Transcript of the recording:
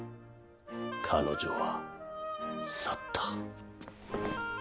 彼女は去った。